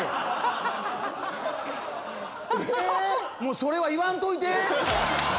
⁉それは言わんといて。